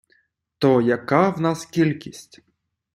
То яка в нас кількість?